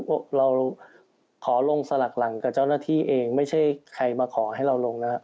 เราขอลงสลักหลังกับเจ้าหน้าที่เองไม่ใช่ใครมาขอให้เราลงนะครับ